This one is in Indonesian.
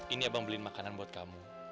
ini abang beli makanan buat kamu